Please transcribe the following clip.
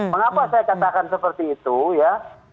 mengapa saya katakan seperti itu ya